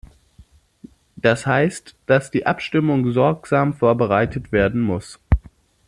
Das heißt, dass die Abstimmung sorgsam vorbereitet werden muss.